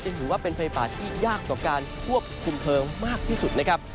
ถือว่าเป็นไฟป่าที่ยากต่อการควบคุมเพลิงมากที่สุดนะครับ